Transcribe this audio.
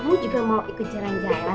kamu juga mau ikut jalan jalan